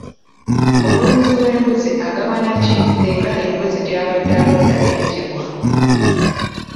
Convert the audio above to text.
Omulunzi w'embuzi agabana ki singa embuzi gy'abadde alunda ettibwa?